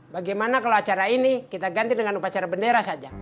bagaimana kalau acara ini kita ganti dengan upacara bendera saja